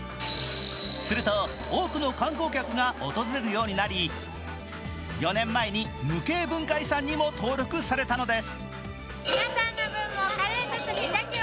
すると多くの観光客が訪れるようになり４年前に無形文化遺産にも登録されたのです。